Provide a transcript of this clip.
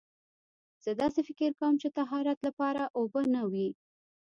زه داسې فکر کوم چې طهارت لپاره اوبه نه وي.